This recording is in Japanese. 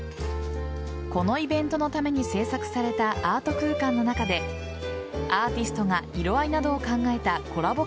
このイベントのために制作されたアート空間の中でアーティストが色合いなどを考えたコラボ